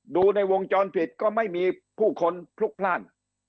ดูในวงจรปิดก็ไม่มีผู้คนพลุกพลาด